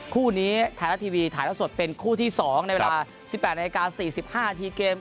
คู่นี้ไทยรัฐทีวีถ่ายละสดเป็นคู่ที่๒ในเวลา๑๘นาที๔๕นาทีเกม